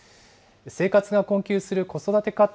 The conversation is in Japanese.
生活が困窮する子育て家庭